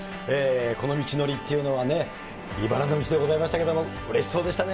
この道のりっていうのはね、いばらの道でございましたけれども、うれしそうでしたね。